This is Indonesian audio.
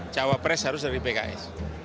cawa pres harus dari pks